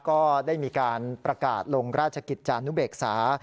ก็ได้มีการประกาศลงราชกิจจานุเบกษา